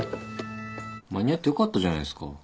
間に合ってよかったじゃないですか。